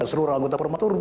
dan seluruh anggota permatur